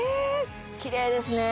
きれいですね